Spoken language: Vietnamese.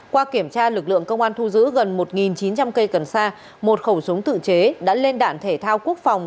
qua kiểm tra lực lượng công an thu giữ gần một chín trăm linh cây cần sa một khẩu súng tự chế đã lên đạn thể thao quốc phòng